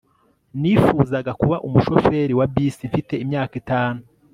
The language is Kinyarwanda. Nifuzaga kuba umushoferi wa bisi mfite imyaka itanu